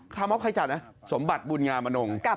มอบใครจัดนะสมบัติบุญงามนง